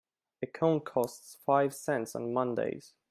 A cone costs five cents on Mondays.